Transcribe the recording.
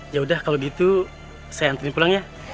yaudah kalau gitu saya hantarin pulang ya